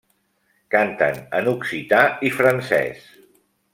Canten en occità i francès.